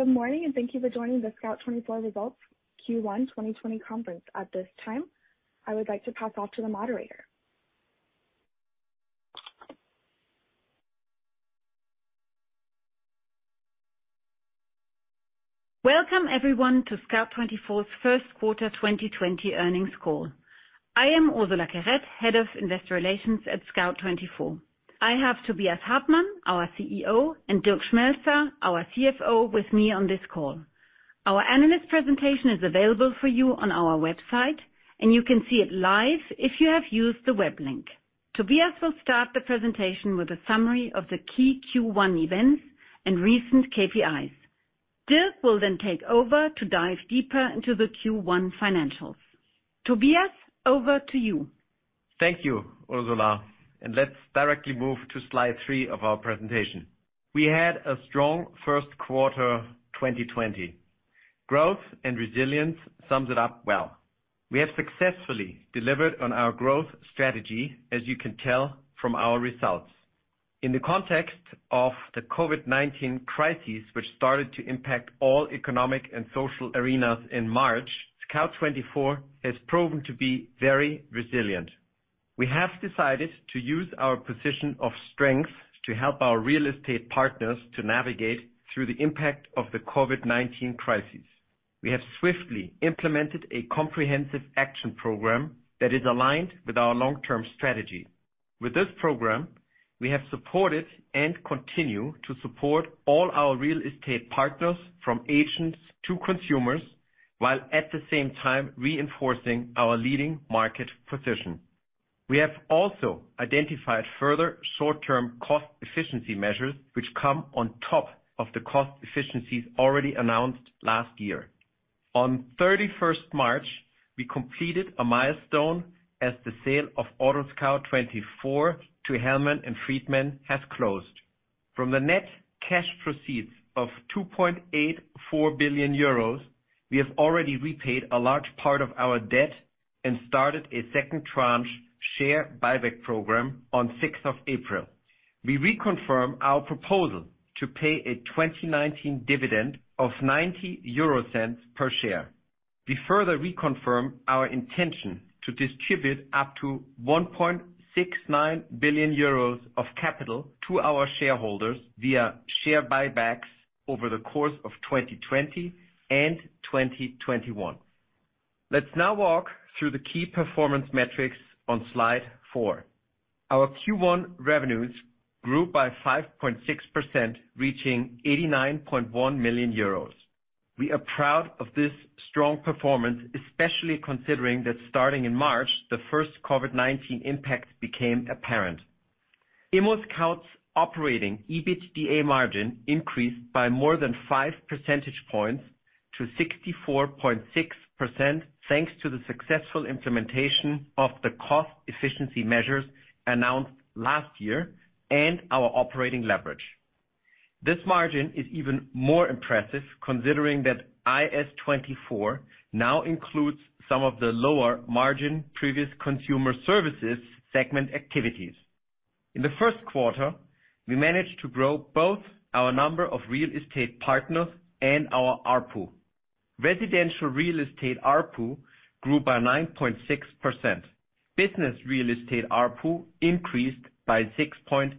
Good morning, and thank you for joining the Scout24 sesults Q1 2020 conference at this time. I would like to pass off to the moderator. Welcome, everyone, to Scout24's first quarter 2020 earnings call. I am Ursula Querette, Head of Investor Relations at Scout24. I have Tobias Hartmann, our CEO, and Dirk Schmelzer, our CFO, with me on this call. Our analyst presentation is available for you on our website, and you can see it live if you have used the web link. Tobias will start the presentation with a summary of the key Q1 events and recent KPIs. Dirk will then take over to dive deeper into the Q1 financials. Tobias, over to you. Thank you, Ursula, and let's directly move to slide three of our presentation. We had a strong first quarter 2020. Growth and resilience sums it up well. We have successfully delivered on our growth strategy, as you can tell from our results. In the context of the COVID-19 crisis, which started to impact all economic and social arenas in March, Scout24 has proven to be very resilient. We have decided to use our position of strength to help our real estate partners to navigate through the impact of the COVID-19 crisis. We have swiftly implemented a comprehensive action program that is aligned with our long-term strategy. With this program, we have supported and continue to support all our real estate partners, from agents to consumers, while at the same time reinforcing our leading market position. We have also identified further short-term cost efficiency measures, which come on top of the cost efficiencies already announced last year. On 31st March, we completed a milestone as the sale of AutoScout24 to Hellman & Friedman has closed. From the net cash proceeds of 2.84 billion euros, we have already repaid a large part of our debt and started a second tranche share buyback program on 6th of April. We reconfirm our proposal to pay a 2019 dividend of 0.90 per share. We further reconfirm our intention to distribute up to 1.69 billion euros of capital to our shareholders via share buybacks over the course of 2020 and 2021. Let's now walk through the key performance metrics on slide four. Our Q1 revenues grew by 5.6%, reaching 89.1 million euros. We are proud of this strong performance, especially considering that starting in March, the first COVID-19 impact became apparent. ImmoScout24's operating EBITDA margin increased by more than five percentage points to 64.6%, thanks to the successful implementation of the cost efficiency measures announced last year and our operating leverage. This margin is even more impressive, considering that IS24 now includes some of the lower margin previous consumer services segment activities. In the first quarter, we managed to grow both our number of real estate partners and our ARPU. Residential real estate ARPU grew by 9.6%. Business real estate ARPU increased by 6.8%.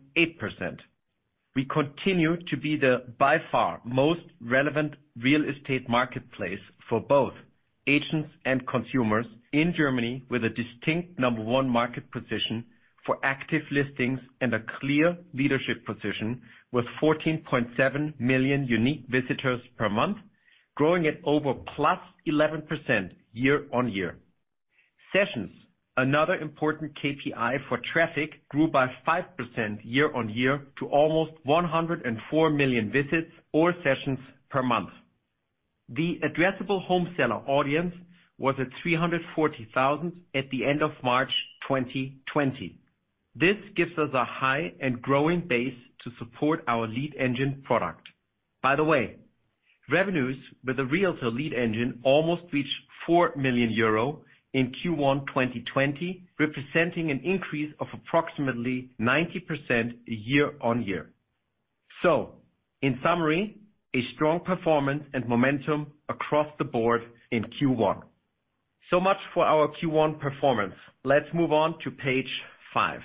We continue to be by far the most relevant real estate marketplace for both agents and consumers in Germany, with a distinct number one market position for active listings and a clear leadership position with 14.7 million unique visitors per month, growing at over +11% year on year. Sessions, another important KPI for traffic, grew by 5% year on year to almost 104 million visits or sessions per month. The addressable home seller audience was at 340,000 at the end of March 2020. This gives us a high and growing base to support our lead engine product. By the way, revenues with a Realtor Lead Engine almost reached 4 million euro in Q1 2020, representing an increase of approximately 90% year on year. So, in summary, a strong performance and momentum across the board in Q1. So much for our Q1 performance. Let's move on to page five.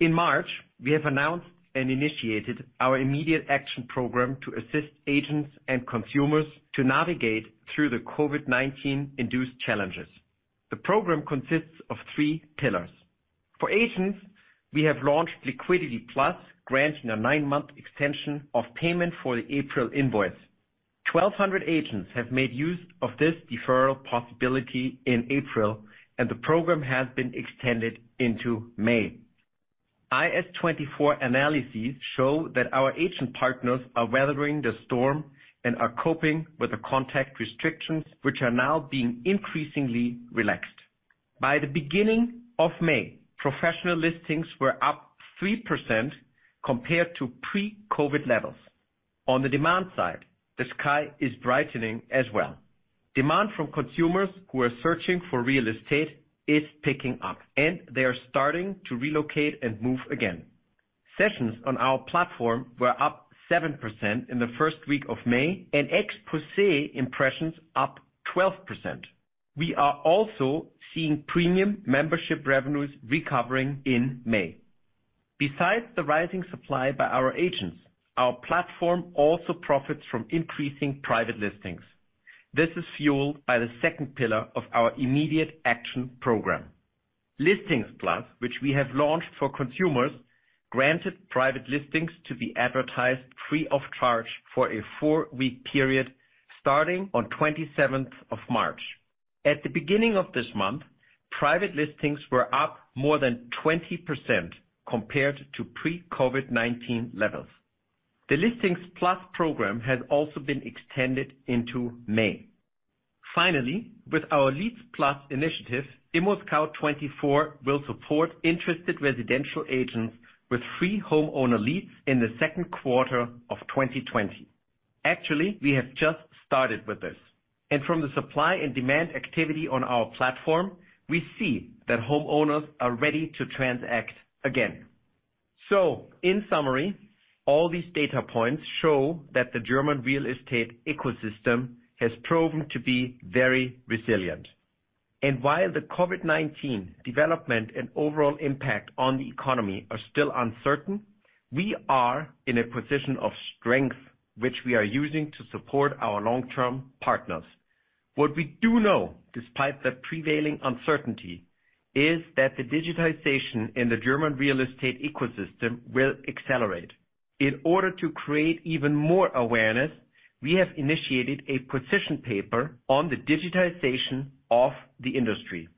In March, we have announced and initiated our immediate action program to assist agents and consumers to navigate through the COVID-19-induced challenges. The program consists of three pillars. For agents, we have launched Liquidity Plus, granting a nine-month extension of payment for the April invoice. 1,200 agents have made use of this deferral possibility in April, and the program has been extended into May. IS24 analyses show that our agent partners are weathering the storm and are coping with the contact restrictions, which are now being increasingly relaxed. By the beginning of May, professional listings were up 3% compared to pre-COVID levels. On the demand side, the sky is brightening as well. Demand from consumers who are searching for real estate is picking up, and they are starting to relocate and move again. Sessions on our platform were up 7% in the first week of May, and exposé impressions up 12%. We are also seeing premium membership revenues recovering in May. Besides the rising supply by our agents, our platform also profits from increasing private listings. This is fueled by the second pillar of our immediate action program. Listings Plus, which we have launched for consumers, granted private listings to be advertised free of charge for a four-week period starting on 27th of March. At the beginning of this month, private listings were up more than 20% compared to pre-COVID-19 levels. The Listings Plus program has also been extended into May. Finally, with our Leads Plus initiative, ImmoScout24 will support interested residential agents with free homeowner leads in the second quarter of 2020. Actually, we have just started with this, and from the supply and demand activity on our platform, we see that homeowners are ready to transact again, so in summary, all these data points show that the German real estate ecosystem has proven to be very resilient. While the COVID-19 development and overall impact on the economy are still uncertain, we are in a position of strength, which we are using to support our long-term partners. What we do know, despite the prevailing uncertainty, is that the digitization in the German real estate ecosystem will accelerate. In order to create even more awareness, we have initiated a position paper on the digitization of the industry.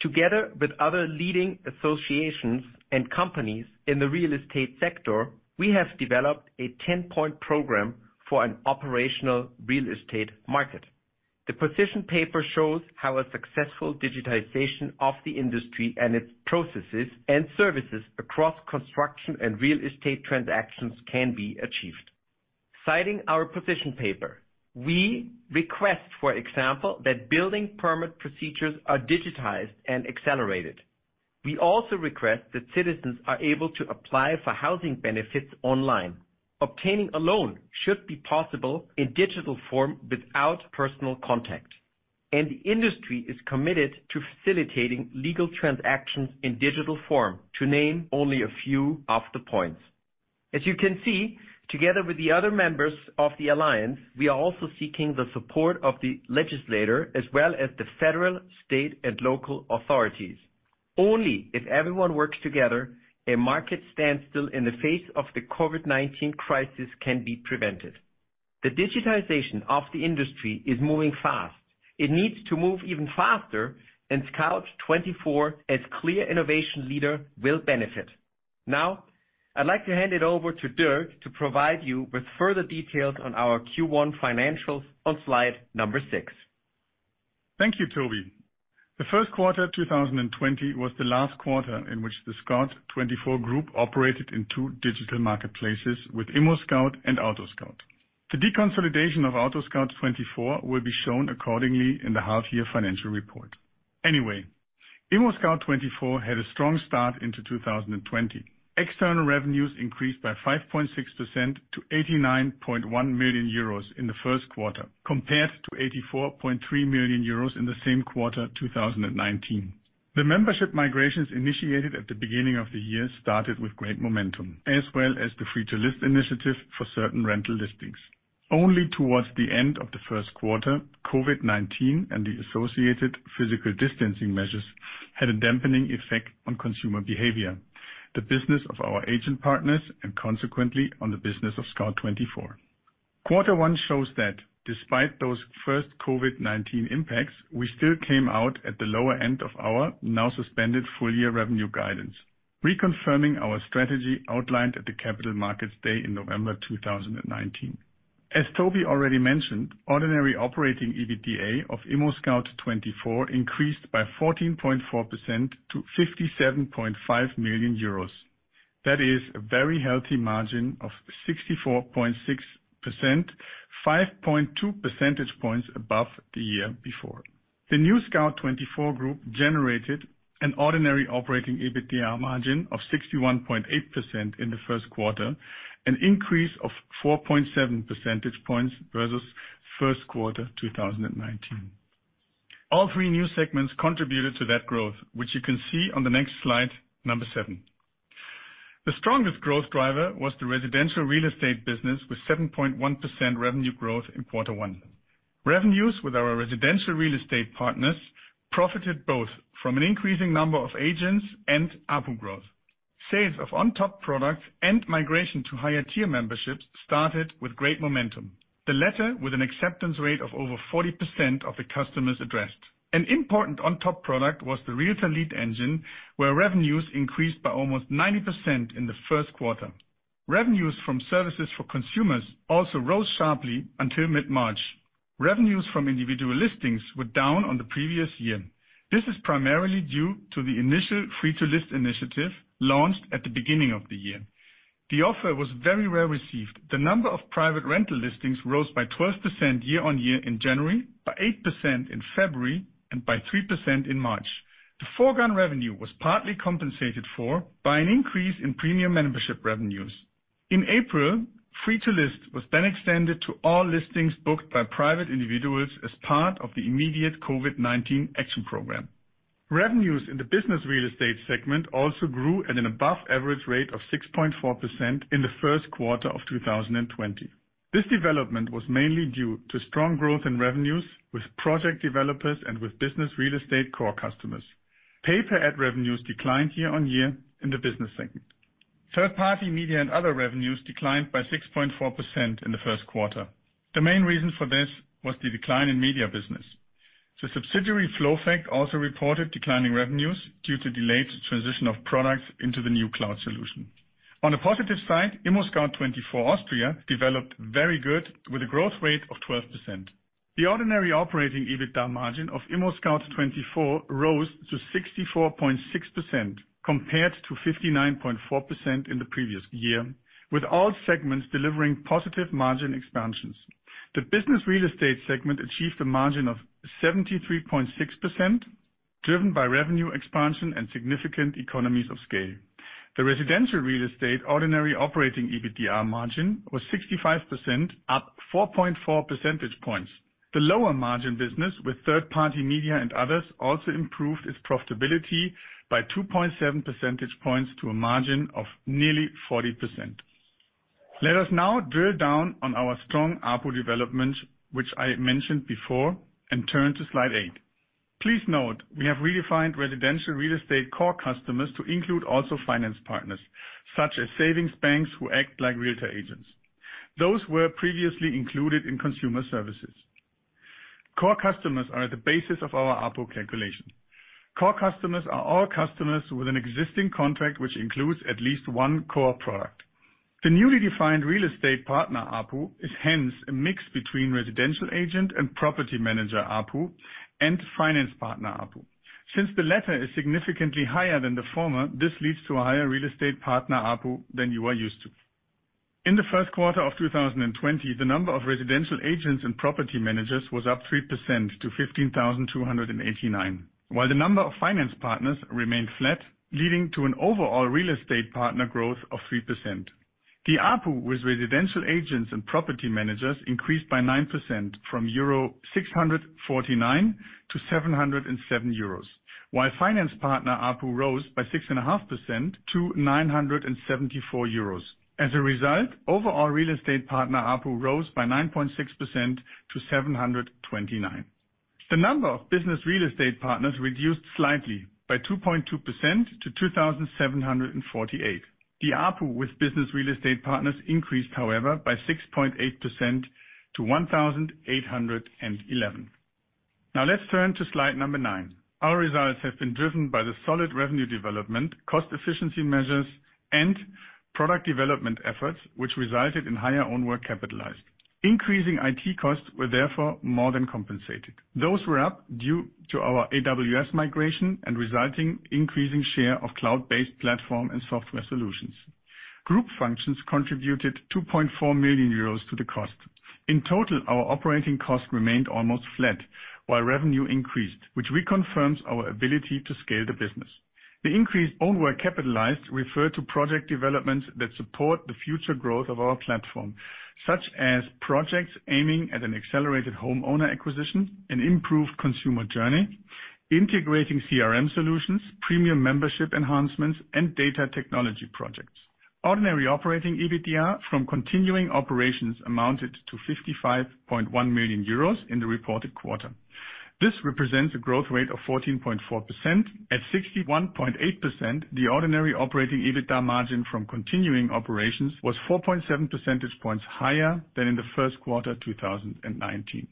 Together with other leading associations and companies in the real estate sector, we have developed a 10-point program for an operational real estate market. The position paper shows how a successful digitization of the industry and its processes and services across construction and real estate transactions can be achieved. Citing our position paper, we request, for example, that building permit procedures are digitized and accelerated. We also request that citizens are able to apply for housing benefits online. Obtaining a loan should be possible in digital form without personal contact, and the industry is committed to facilitating legal transactions in digital form, to name only a few of the points. As you can see, together with the other members of the alliance, we are also seeking the support of the legislator, as well as the federal, state, and local authorities. Only if everyone works together, a market standstill in the face of the COVID-19 crisis can be prevented. The digitization of the industry is moving fast. It needs to move even faster, and Scout24, as clear innovation leader, will benefit. Now, I'd like to hand it over to Dirk to provide you with further details on our Q1 financials on slide number six. Thank you, Tobi. The first quarter 2020 was the last quarter in which the Scout24 group operated in two digital marketplaces with ImmoScout24 and AutoScout24. The deconsolidation of AutoScout24 will be shown accordingly in the half-year financial report. Anyway, ImmoScout24 had a strong start into 2020. External revenues increased by 5.6% to 89.1 million euros in the first quarter, compared to 84.3 million euros in the same quarter 2019. The membership migrations initiated at the beginning of the year started with great momentum, as well as the free-to-list initiative for certain rental listings. Only towards the end of the first quarter, COVID-19 and the associated physical distancing measures had a dampening effect on consumer behavior, the business of our agent partners, and consequently, on the business of Scout24. Quarter one shows that, despite those first COVID-19 impacts, we still came out at the lower end of our now suspended full-year revenue guidance, reconfirming our strategy outlined at the Capital Markets Day in November 2019. As Tobi already mentioned, ordinary operating EBITDA of ImmoScout24 increased by 14.4% to 57.5 million euros. That is a very healthy margin of 64.6%, 5.2 percentage points above the year before. The new Scout24 group generated an ordinary operating EBITDA margin of 61.8% in the first quarter, an increase of 4.7 percentage points versus first quarter 2019. All three new segments contributed to that growth, which you can see on the next slide number seven. The strongest growth driver was the residential real estate business, with 7.1% revenue growth in quarter one. Revenues with our residential real estate partners profited both from an increasing number of agents and ARPU growth. Sales of on-top products and migration to higher-tier memberships started with great momentum. The latter with an acceptance rate of over 40% of the customers addressed. An important on-top product was the Realtor Lead Engine, where revenues increased by almost 90% in the first quarter. Revenues from services for consumers also rose sharply until mid-March. Revenues from individual listings were down on the previous year. This is primarily due to the initial free-to-list initiative launched at the beginning of the year. The offer was very well received. The number of private rental listings rose by 12% year on year in January, by 8% in February, and by 3% in March. The foregone revenue was partly compensated for by an increase in premium membership revenues. In April, free-to-list was then extended to all listings booked by private individuals as part of the immediate COVID-19 action program. Revenues in the business real estate segment also grew at an above-average rate of 6.4% in the first quarter of 2020. This development was mainly due to strong growth in revenues with project developers and with business real estate core customers. Pay-per-ad revenues declined year on year in the business segment. Third-party media and other revenues declined by 6.4% in the first quarter. The main reason for this was the decline in media business. The subsidiary FlowFact also reported declining revenues due to delayed transition of products into the new cloud solution. On a positive side, ImmoScout24 Austria developed very good, with a growth rate of 12%. The ordinary operating EBITDA margin of ImmoScout24 rose to 64.6%, compared to 59.4% in the previous year, with all segments delivering positive margin expansions. The business real estate segment achieved a margin of 73.6%, driven by revenue expansion and significant economies of scale. The residential real estate ordinary operating EBITDA margin was 65%, up 4.4 percentage points. The lower margin business with third-party media and others also improved its profitability by 2.7 percentage points to a margin of nearly 40%. Let us now drill down on our strong ARPU development, which I mentioned before, and turn to slide eight. Please note, we have redefined residential real estate core customers to include also finance partners, such as savings banks who act like realtor agents. Those were previously included in consumer services. Core customers are at the basis of our ARPU calculation. Core customers are all customers with an existing contract, which includes at least one core product. The newly defined real estate partner ARPU is hence a mix between residential agent and property manager ARPU and finance partner ARPU. Since the latter is significantly higher than the former, this leads to a higher real estate partner ARPU than you are used to. In the first quarter of 2020, the number of residential agents and property managers was up 3% to 15,289, while the number of finance partners remained flat, leading to an overall real estate partner growth of 3%. The ARPU with residential agents and property managers increased by 9% from euro 649 to 707 euros, while finance partner ARPU rose by 6.5% to 974 euros. As a result, overall real estate partner ARPU rose by 9.6% to 729. The number of business real estate partners reduced slightly by 2.2% to 2,748. The ARPU with business real estate partners increased, however, by 6.8% to 1,811. Now, let's turn to slide number nine. Our results have been driven by the solid revenue development, cost efficiency measures, and product development efforts, which resulted in higher own work capitalized. Increasing IT costs were therefore more than compensated. Those were up due to our AWS migration and resulting increasing share of cloud-based platform and software solutions. Group functions contributed 2.4 million euros to the cost. In total, our operating cost remained almost flat, while revenue increased, which reconfirms our ability to scale the business. The increased own work capitalized referred to project developments that support the future growth of our platform, such as projects aiming at an accelerated homeowner acquisition, an improved consumer journey, integrating CRM solutions, premium membership enhancements, and data technology projects. Ordinary operating EBITDA from continuing operations amounted to 55.1 million euros in the reported quarter. This represents a growth rate of 14.4%. At 61.8%, the ordinary operating EBITDA margin from continuing operations was 4.7 percentage points higher than in the first quarter 2019.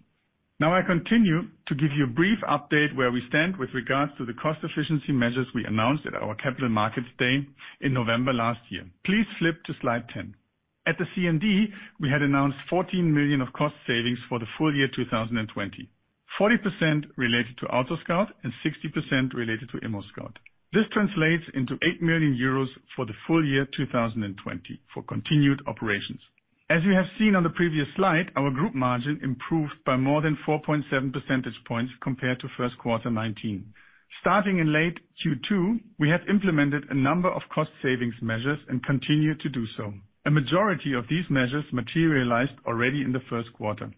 Now, I continue to give you a brief update where we stand with regards to the cost efficiency measures we announced at our Capital Markets Day in November last year. Please flip to slide 10. At the CMD, we had announced 14 million of cost savings for the full year 2020, 40% related to AutoScout and 60% related to ImmoScout. This translates into 8 million euros for the full year 2020 for continuing operations. As you have seen on the previous slide, our group margin improved by more than 4.7 percentage points compared to first quarter 2019. Starting in late Q2, we have implemented a number of cost savings measures and continue to do so. A majority of these measures materialized already in the first quarter.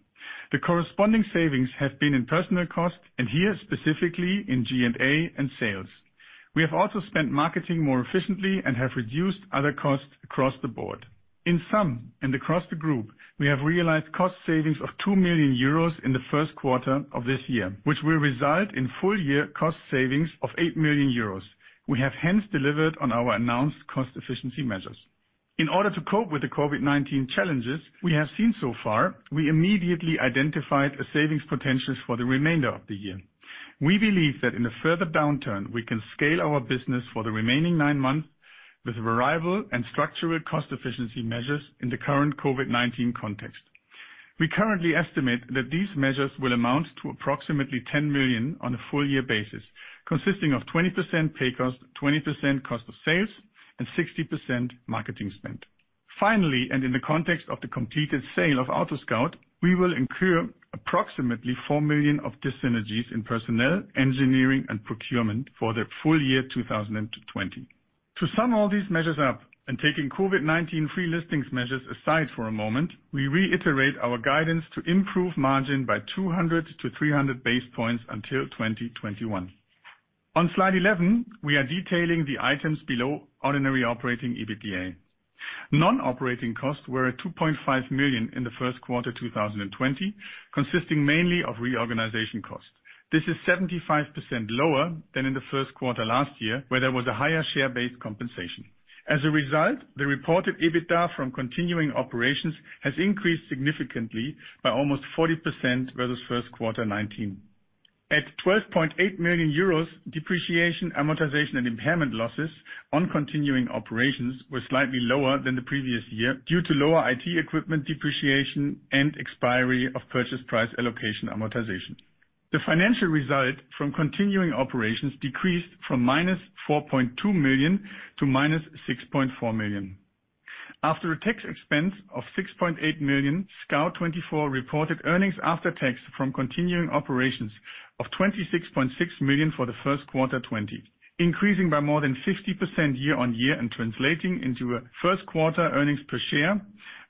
The corresponding savings have been in personal costs, and here specifically in G&A and sales. We have also spent marketing more efficiently and have reduced other costs across the board. In sum, and across the group, we have realized cost savings of 2 million euros in the first quarter of this year, which will result in full year cost savings of 8 million euros. We have hence delivered on our announced cost efficiency measures. In order to cope with the COVID-19 challenges we have seen so far, we immediately identified savings potentials for the remainder of the year. We believe that in a further downturn, we can scale our business for the remaining nine months with variable and structural cost efficiency measures in the current COVID-19 context. We currently estimate that these measures will amount to approximately 10 million on a full year basis, consisting of 20% pay cost, 20% cost of sales, and 60% marketing spend. Finally, and in the context of the completed sale of AutoScout, we will incur approximately 4 million of dissynergies in personnel, engineering, and procurement for the full year 2020. To sum all these measures up and taking COVID-19 free listings measures aside for a moment, we reiterate our guidance to improve margin by 200 basis points-300 basis points until 2021. On slide 11, we are detailing the items below ordinary operating EBITDA. Non-operating costs were at 2.5 million in the first quarter 2020, consisting mainly of reorganization costs. This is 75% lower than in the first quarter last year, where there was a higher share-based compensation. As a result, the reported EBITDA from continuing operations has increased significantly by almost 40% versus first quarter 2019. At 12.8 million euros, depreciation, amortization, and impairment losses on continuing operations were slightly lower than the previous year due to lower IT equipment depreciation and expiry of purchase price allocation amortization. The financial result from continuing operations decreased from minus 4.2 million to -6.4 million. After a tax expense of 6.8 million, Scout24 reported earnings after tax from continuing operations of 26.6 million for the first quarter 2020, increasing by more than 50% year on year and translating into first quarter earnings per share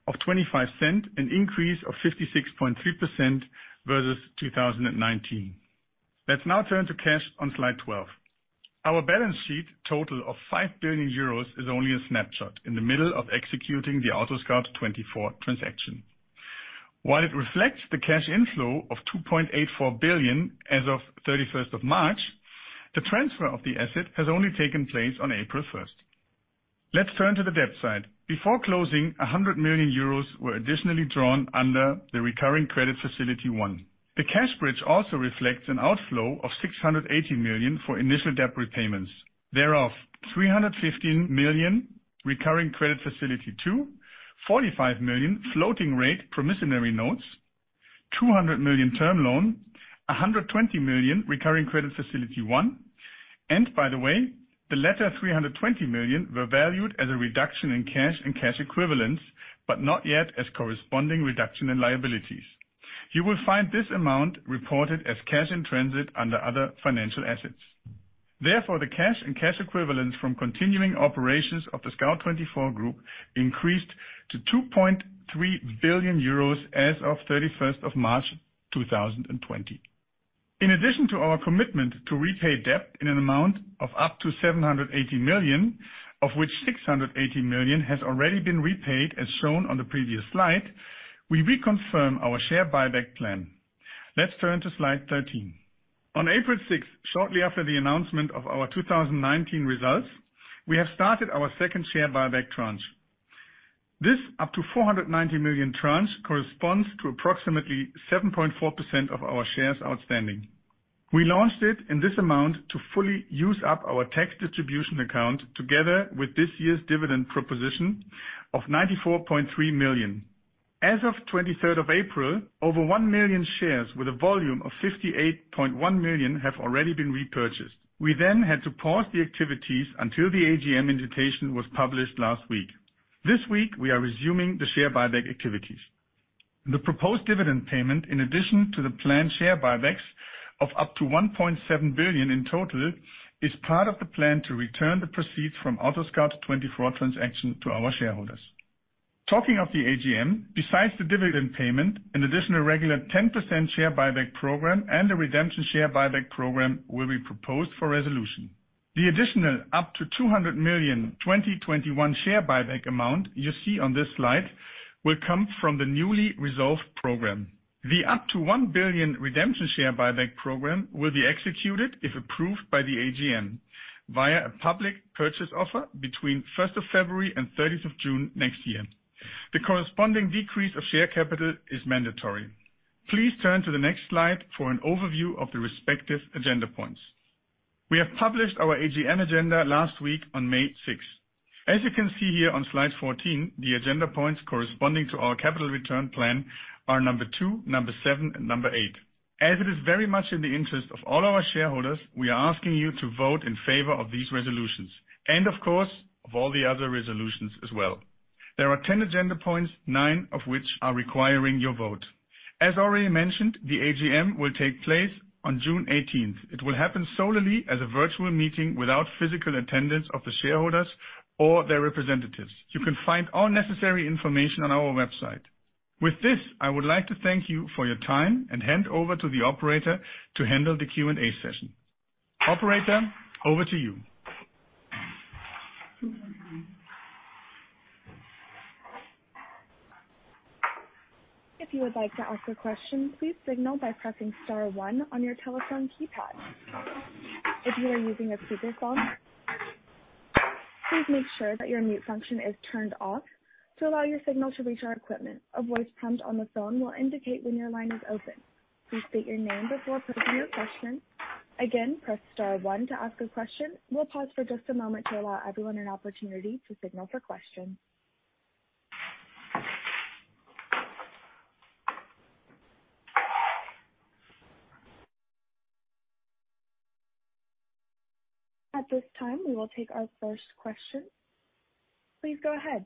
of 0.25, an increase of 56.3% versus 2019. Let's now turn to cash on slide 12. Our balance sheet total of 5 billion euros is only a snapshot in the middle of executing the AutoScout24 transaction. While it reflects the cash inflow of 2.84 billion as of 31st of March, the transfer of the asset has only taken place on April 1st. Let's turn to the debt side. Before closing, 100 million euros were additionally drawn under the recurring credit facility one. The cash bridge also reflects an outflow of 680 million for initial debt repayments, thereof 315 million recurring credit facility two, 45 million floating rate promissory notes, 200 million term loan, 120 million recurring credit facility one. And by the way, the latter 320 million were valued as a reduction in cash and cash equivalents, but not yet as corresponding reduction in liabilities. You will find this amount reported as cash in transit under other financial assets. Therefore, the cash and cash equivalents from continuing operations of the Scout24 group increased to 2.3 billion euros as of 31st of March 2020. In addition to our commitment to repay debt in an amount of up to 780 million, of which 680 million has already been repaid as shown on the previous slide, we reconfirm our share buyback plan. Let's turn to slide 13. On April 6th, shortly after the announcement of our 2019 results, we have started our second share buyback tranche. This up to 490 million tranche corresponds to approximately 7.4% of our shares outstanding. We launched it in this amount to fully use up our tax distribution account together with this year's dividend proposition of 94.3 million. As of 23rd of April, over one million shares with a volume of 58.1 million have already been repurchased. We then had to pause the activities until the AGM invitation was published last week. This week, we are resuming the share buyback activities. The proposed dividend payment, in addition to the planned share buybacks of up to 1.7 billion in total, is part of the plan to return the proceeds from AutoScout24 transaction to our shareholders. Talking of the AGM, besides the dividend payment, an additional regular 10% share buyback program and a redemption share buyback program will be proposed for resolution. The additional up to 200 million 2021 share buyback amount you see on this slide will come from the newly resolved program. The up to 1 billion redemption share buyback program will be executed, if approved by the AGM, via a public purchase offer between 1st of February and 30th of June next year. The corresponding decrease of share capital is mandatory. Please turn to the next slide for an overview of the respective agenda points. We have published our AGM agenda last week on May 6th. As you can see here on slide 14, the agenda points corresponding to our capital return plan are number two, number seven, and number eight. As it is very much in the interest of all our shareholders, we are asking you to vote in favor of these resolutions and, of course, of all the other resolutions as well. There are 10 agenda points, nine of which are requiring your vote. As already mentioned, the AGM will take place on June 18th. It will happen solely as a virtual meeting without physical attendance of the shareholders or their representatives. You can find all necessary information on our website. With this, I would like to thank you for your time and hand over to the operator to handle the Q&A session. Operator, over to you. If you would like to ask a question, please signal by pressing star one on your telephone keypad. If you are using a speakerphone, please make sure that your mute function is turned off to allow your signal to reach our equipment. A voice prompt on the phone will indicate when your line is open. Please state your name before posing your question. Again, press star one to ask a question. We'll pause for just a moment to allow everyone an opportunity to signal for questions. At this time, we will take our first question. Please go ahead.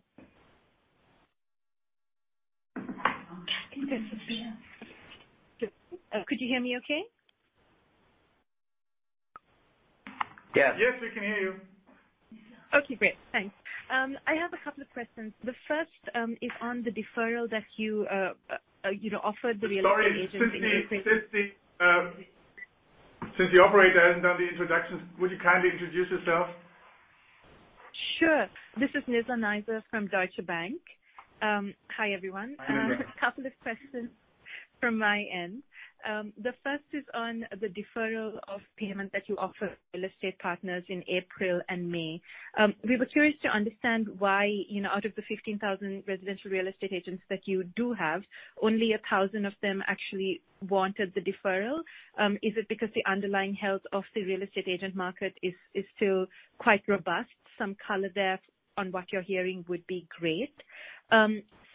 Could you hear me okay? Yes. Yes, we can hear you. Okay, great. Thanks. I have a couple of questions. The first is on the deferral that you offered the real estate agency. Sorry, since you operated and done the introductions, would you kindly introduce yourself? Sure. This is Nizla Naizer from Deutsche Bank. Hi, everyone. A couple of questions from my end. The first is on the deferral of payment that you offered real estate partners in April and May. We were curious to understand why, out of the 15,000 residential real estate agents that you do have, only 1,000 of them actually wanted the deferral. Is it because the underlying health of the real estate agent market is still quite robust? Some color there on what you're hearing would be great.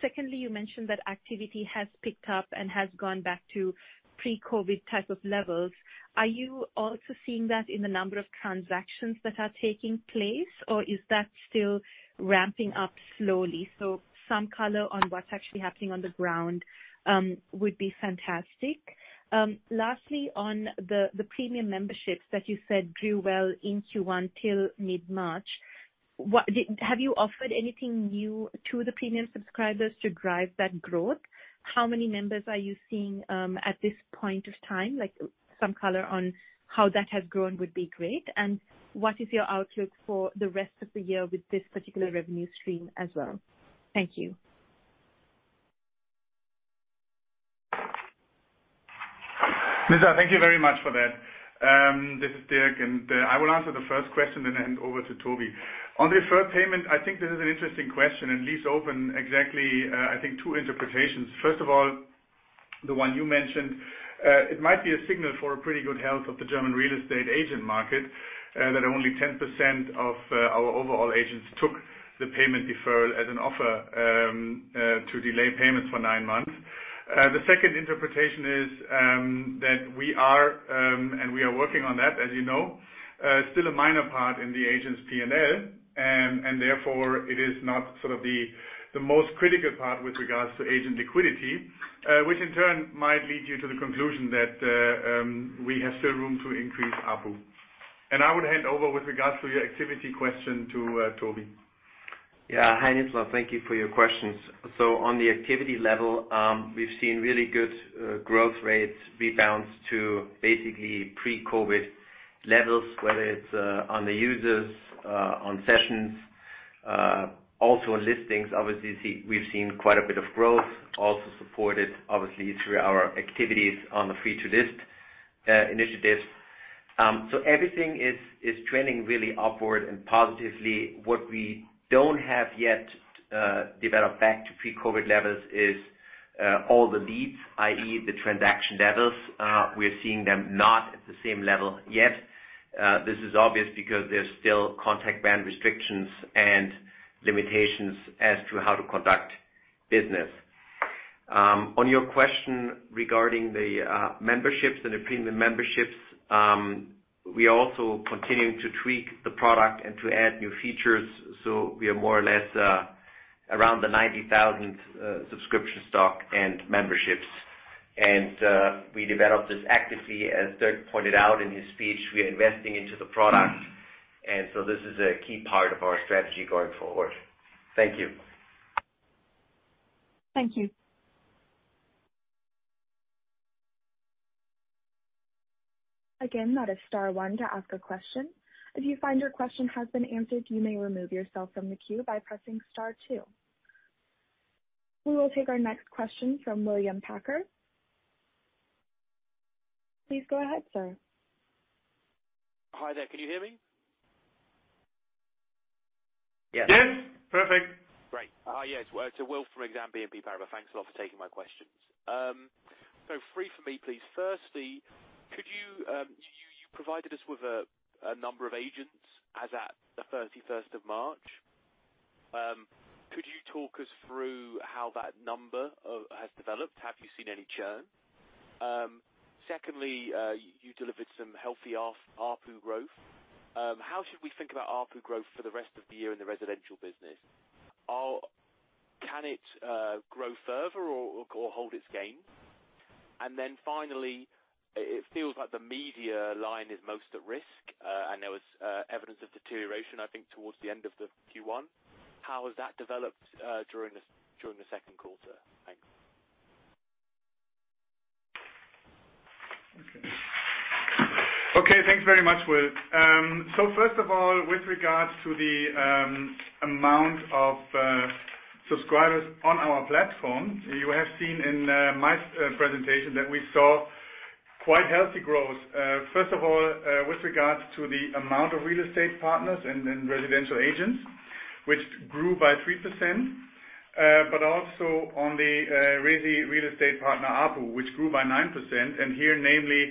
Secondly, you mentioned that activity has picked up and has gone back to pre-COVID type of levels. Are you also seeing that in the number of transactions that are taking place, or is that still ramping up slowly? So some color on what's actually happening on the ground would be fantastic. Lastly, on the premium memberships that you said grew well in Q1 till mid-March, have you offered anything new to the premium subscribers to drive that growth? How many members are you seeing at this point of time? Some color on how that has grown would be great. And what is your outlook for the rest of the year with this particular revenue stream as well? Thank you. Nizla, thank you very much for that. This is Dirk, and I will answer the first question and then hand over to Tobi. On the deferred payment, I think this is an interesting question and leaves open exactly, I think, two interpretations. First of all, the one you mentioned, it might be a signal for a pretty good health of the German real estate agent market that only 10% of our overall agents took the payment deferral as an offer to delay payments for nine months. The second interpretation is that we are, and we are working on that, as you know, still a minor part in the agent's P&L, and therefore it is not sort of the most critical part with regards to agent liquidity, which in turn might lead you to the conclusion that we have still room to increase ARPU. And I would hand over with regards to your activity question to Tobi. Yeah, hi Nizla, thank you for your questions. So on the activity level, we've seen really good growth rates, rebounds to basically pre-COVID levels, whether it's on the users, on sessions, also listings. Obviously, we've seen quite a bit of growth, also supported obviously through our activities on the free-to-list initiatives. So everything is trending really upward and positively. What we don't have yet developed back to pre-COVID levels is all the leads, i.e., the transaction levels. We are seeing them not at the same level yet. This is obvious because there's still contact ban restrictions and limitations as to how to conduct business. On your question regarding the memberships and the premium memberships, we are also continuing to tweak the product and to add new features. So we are more or less around the 90,000 subscription stock and memberships. And we developed this actively, as Dirk pointed out in his speech. We are investing into the product, and so this is a key part of our strategy going forward. Thank you. Thank you. Again, press star one to ask a question. If you find your question has been answered, you may remove yourself from the queue by pressing star two. We will take our next question from William Packer. Please go ahead, sir. Hi there, can you hear me? Yes. Yes, perfect. Great. Yes, it's Will from Exane BNP Paribas. Thanks a lot for taking my questions. So three for me, please. Firstly, could you provide us with a number of agents as at the 31st of March? Could you talk us through how that number has developed? Have you seen any churn? Secondly, you delivered some healthy ARPU growth. How should we think about ARPU growth for the rest of the year in the residential business? Can it grow further or hold its gain? And then finally, it feels like the media line is most at risk, and there was evidence of deterioration, I think, towards the end of the Q1. How has that developed during the second quarter? Thanks. Okay, thanks very much, Will. So first of all, with regards to the amount of subscribers on our platform, you have seen in my presentation that we saw quite healthy growth. First of all, with regards to the amount of real estate partners and residential agents, which grew by 3%, but also on the real estate partner ARPU, which grew by 9%, and here namely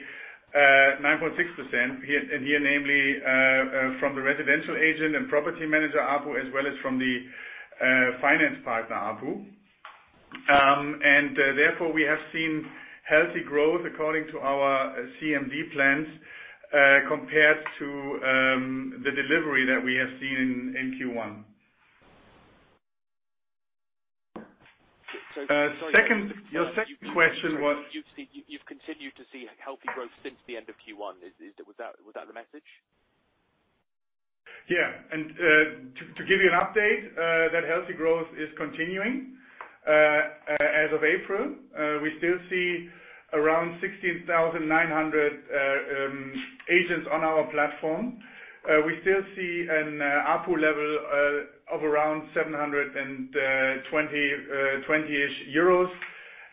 9.6%, and here namely from the residential agent and property manager ARPU, as well as from the finance partner ARPU. And therefore, we have seen healthy growth according to our CMD plans compared to the delivery that we have seen in Q1. Second, your second question was. You've continued to see healthy growth since the end of Q1. Was that the message? Yeah. And to give you an update, that healthy growth is continuing. As of April, we still see around 16,900 agents on our platform. We still see an ARPU level of around 720-ish euros,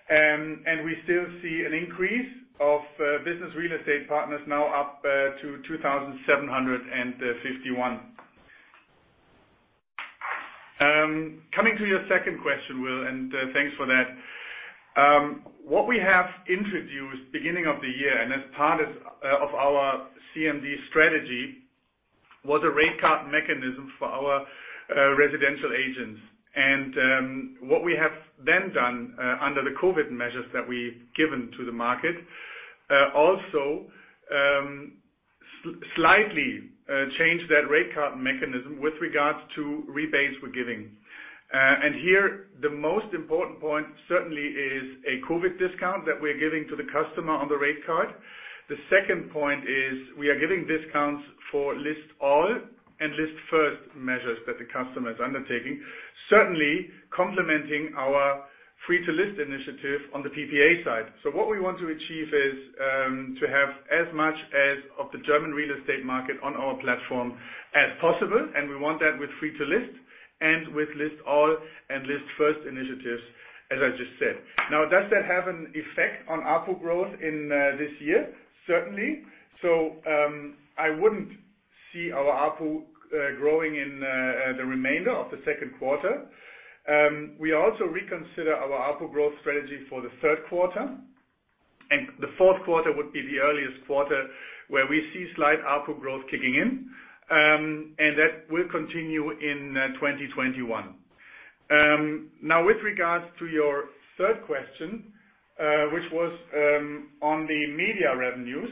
and we still see an increase of business real estate partners now up to 2,751. Coming to your second question, Will, and thanks for that. What we have introduced beginning of the year and as part of our CMD strategy was a rate cut mechanism for our residential agents. And what we have then done under the COVID measures that we've given to the market also slightly changed that rate cut mechanism with regards to rebates we're giving. And here, the most important point certainly is a COVID discount that we're giving to the customer on the rate card. The second point is we are giving discounts for list-all and list-first measures that the customer is undertaking, certainly complementing our free-to-list initiative on the PPA side. So what we want to achieve is to have as much as of the German real estate market on our platform as possible, and we want that with free-to-list and with list-all and list-first initiatives, as I just said. Now, does that have an effect on ARPU growth in this year? Certainly. So I wouldn't see our ARPU growing in the remainder of the second quarter. We also reconsider our ARPU growth strategy for the third quarter, and the fourth quarter would be the earliest quarter where we see slight ARPU growth kicking in, and that will continue in 2021. Now, with regards to your third question, which was on the media revenues,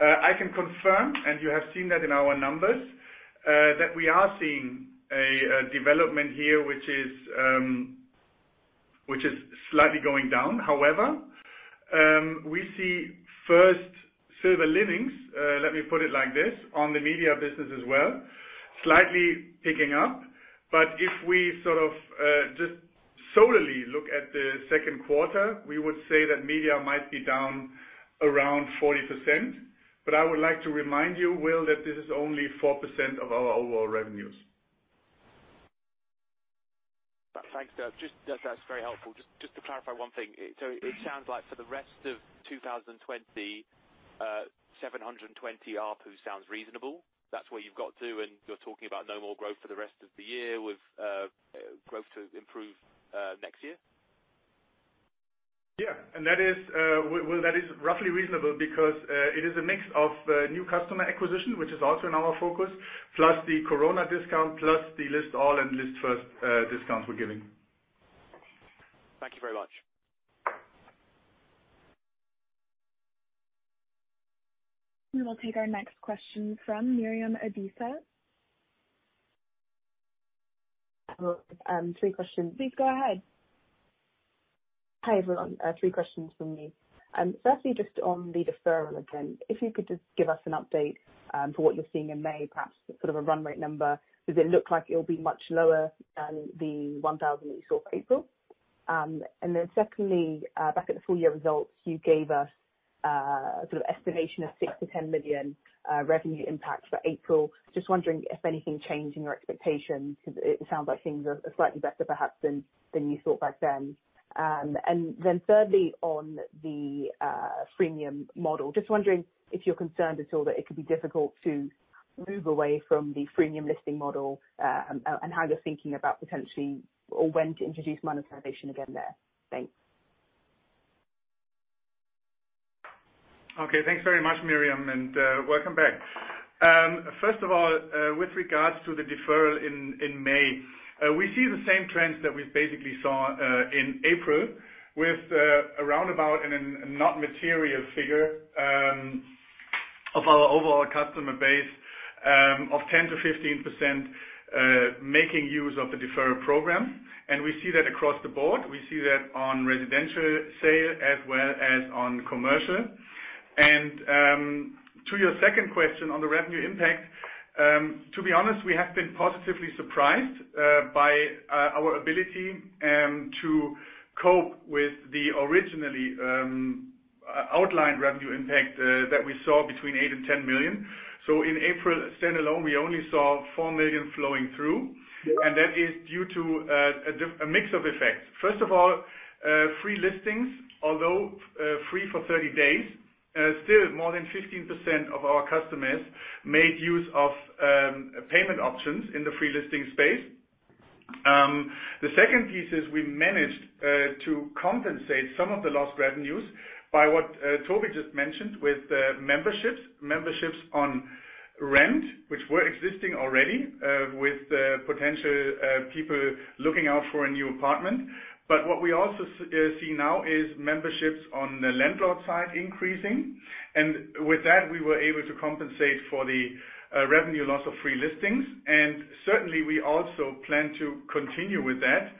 I can confirm, and you have seen that in our numbers, that we are seeing a development here, which is slightly going down. However, we see first silver linings, let me put it like this, on the media business as well, slightly picking up. But if we sort of just solely look at the second quarter, we would say that media might be down around 40%. But I would like to remind you, Will, that this is only 4% of our overall revenues. Thanks, Dirk. That's very helpful. Just to clarify one thing, so it sounds like for the rest of 2020, 720 ARPU sounds reasonable. That's where you've got to, and you're talking about no more growth for the rest of the year with growth to improve next year? Yeah. And that is, Will, that is roughly reasonable because it is a mix of new customer acquisition, which is also in our focus, plus the corona discount, plus the list all and list first discounts we're giving. Thank you very much. We will take our next question from Miriam Adisa. Three questions. Please go ahead. Hi everyone. Three questions from me. Firstly, just on the deferral again, if you could just give us an update for what you're seeing in May, perhaps sort of a run rate number, does it look like it'll be much lower than the 1,000 that you saw for April? And then secondly, back at the full year results, you gave us sort of estimation of 6 million-10 million revenue impact for April. Just wondering if anything changed in your expectations because it sounds like things are slightly better perhaps than you thought back then. And then thirdly, on the freemium model, just wondering if you're concerned at all that it could be difficult to move away from the freemium listing model and how you're thinking about potentially or when to introduce monetization again there. Thanks. Okay, thanks very much, Miriam, and welcome back. First of all, with regards to the deferral in May, we see the same trends that we basically saw in April with around about a not material figure of our overall customer base of 10% to 15% making use of the deferral program. And we see that across the board. We see that on residential sale as well as on commercial. And to your second question on the revenue impact, to be honest, we have been positively surprised by our ability to cope with the originally outlined revenue impact that we saw between 8 million and 10 million. In April, standalone, we only saw 4 million flowing through, and that is due to a mix of effects. First of all, free listings, although free for 30 days, still more than 15% of our customers made use of payment options in the free listing space. The second piece is we managed to compensate some of the lost revenues by what Tobi just mentioned with memberships, memberships on rent, which were existing already with potential people looking out for a new apartment. But what we also see now is memberships on the landlord side increasing. And with that, we were able to compensate for the revenue loss of free listings. And certainly, we also plan to continue with that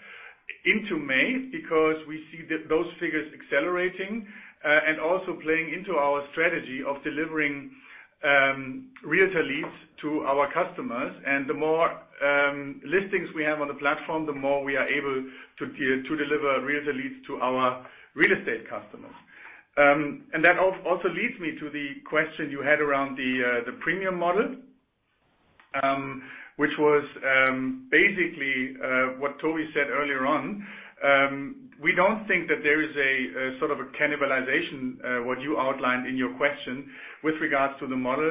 into May because we see those figures accelerating and also playing into our strategy of delivering real-time leads to our customers. And the more listings we have on the platform, the more we are able to deliver real-time leads to our real estate customers. And that also leads me to the question you had around the premium model, which was basically what Tobi said earlier on. We don't think that there is a sort of a cannibalization, what you outlined in your question with regards to the model.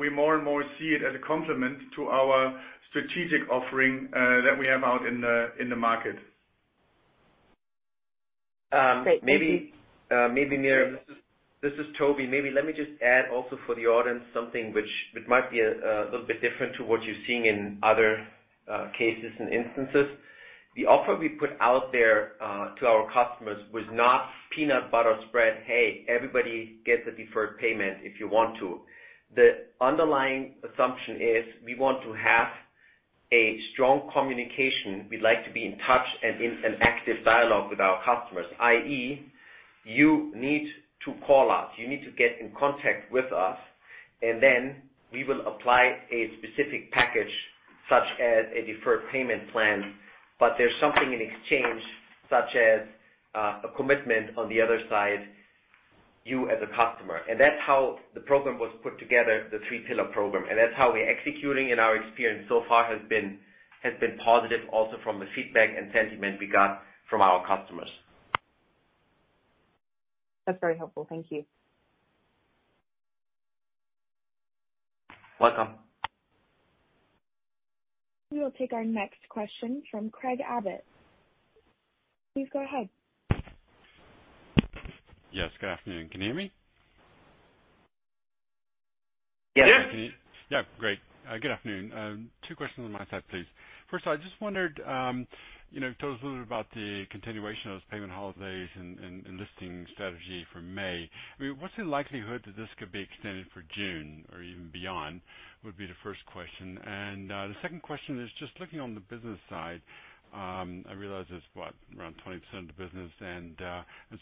We more and more see it as a complement to our strategic offering that we have out in the market. Maybe Miriam, this is Tobi. Maybe let me just add also for the audience something which might be a little bit different to what you're seeing in other cases and instances. The offer we put out there to our customers was not peanut butter spread. Hey, everybody gets a deferred payment if you want to. The underlying assumption is we want to have a strong communication. We'd like to be in touch and in an active dialogue with our customers, i.e., you need to call us. You need to get in contact with us, and then we will apply a specific package such as a deferred payment plan. But there's something in exchange such as a commitment on the other side, you as a customer. And that's how the program was put together, the three-pillar program. And that's how we're executing. In our experience so far has been positive also from the feedback and sentiment we got from our customers. That's very helpful. Thank you. Welcome. We will take our next question from Craig Abbott. Please go ahead. Yes, good afternoon. Can you hear me? Yes. Yes. Can you hear me? Yeah, great. Good afternoon. Two questions on my side, please. First, I just wondered, you told us a little bit about the continuation of those payment holidays and listing strategy for May. I mean, what's the likelihood that this could be extended for June or even beyond would be the first question. And the second question is just looking on the business side, I realize it's what, around 20% of the business, and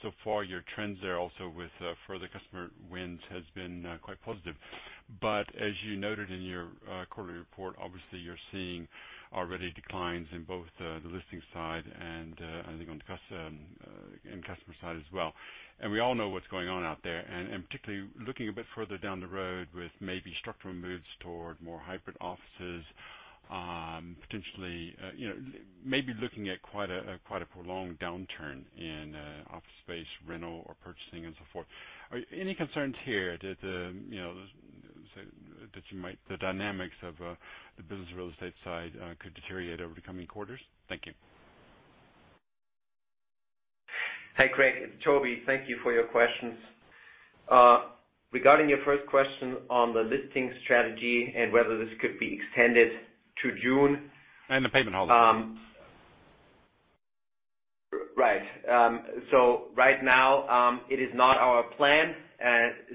so far your trends there also with further customer wins has been quite positive. But as you noted in your quarterly report, obviously you're seeing already declines in both the listing side and I think on the customer side as well. And we all know what's going on out there, and particularly looking a bit further down the road with maybe structural moves toward more hybrid offices, potentially maybe looking at quite a prolonged downturn in office space, rental, or purchasing, and so forth. Any concerns here that the dynamics of the business real estate side could deteriorate over the coming quarters? Thank you. Hi Craig, it's Tobi. Thank you for your questions. Regarding your first question on the listing strategy and whether this could be extended to June and the payment holidays. Right, so right now, it is not our plan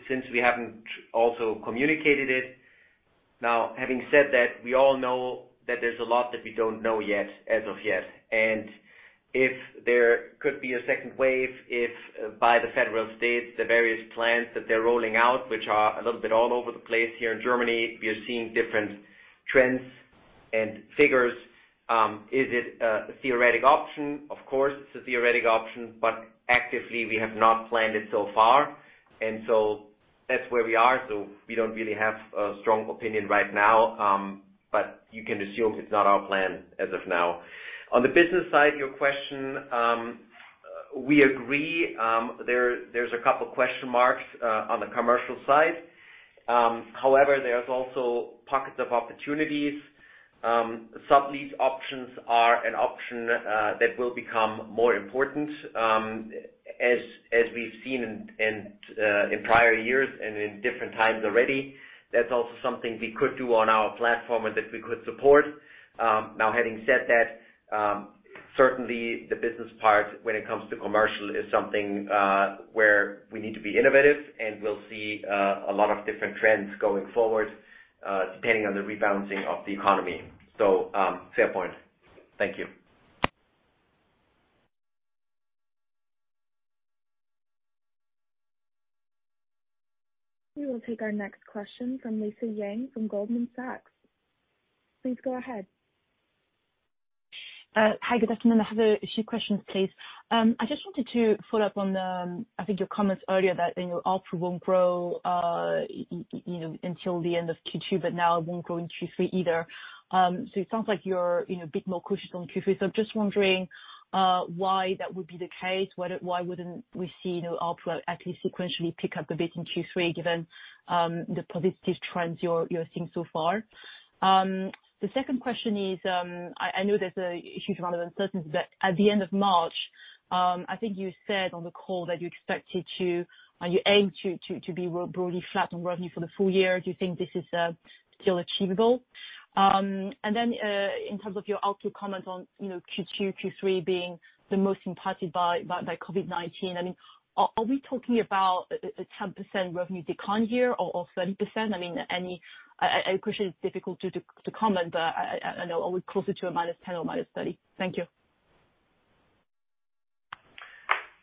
since we haven't also communicated it. Now, having said that, we all know that there's a lot that we don't know yet as of yet. And if there could be a second wave, if by the federal states, the various plans that they're rolling out, which are a little bit all over the place here in Germany, we are seeing different trends and figures. Is it a theoretical option? Of course, it's a theoretical option, but actively we have not planned it so far, and so that's where we are. So we don't really have a strong opinion right now, but you can assume it's not our plan as of now. On the business side, your question, we agree. There's a couple of question marks on the commercial side. However, there's also pockets of opportunities. Sublease options are an option that will become more important as we've seen in prior years and in different times already. That's also something we could do on our platform and that we could support. Now, having said that, certainly the business part when it comes to commercial is something where we need to be innovative, and we'll see a lot of different trends going forward depending on the rebalancing of the economy. So fair point. Thank you. We will take our next question from Lisa Yang from Goldman Sachs. Please go ahead. Hi, good afternoon. I have a few questions, please. I just wanted to follow up on, I think, your comments earlier that your offer won't grow until the end of Q2, but now it won't grow in Q3 either. So it sounds like you're a bit more cautious on Q3. So I'm just wondering why that would be the case. Why wouldn't we see your offer actually sequentially pick up a bit in Q3 given the positive trends you're seeing so far? The second question is, I know there's a huge amount of uncertainty, but at the end of March, I think you said on the call that you expected to, you aimed to be broadly flat on revenue for the full year. Do you think this is still achievable? Then in terms of your outlook comment on Q2, Q3 being the most impacted by COVID-19, I mean, are we talking about a 10% revenue decline here or 30%? I mean, I appreciate it's difficult to comment, but I know we're closer to a -10% or -30%. Thank you.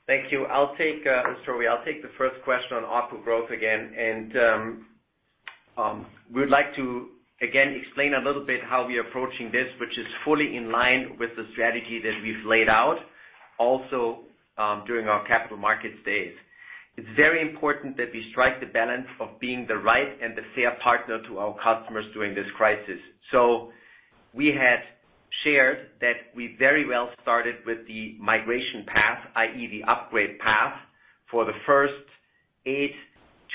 Thank you. I'll take it, I'll take the first question on offer growth again. We would like to, again, explain a little bit how we are approaching this, which is fully in line with the strategy that we've laid out also during our Capital Markets Day. It's very important that we strike the balance of being the right and the fair partner to our customers during this crisis. So we had shared that we very well started with the migration path, i.e., the upgrade path for the first eight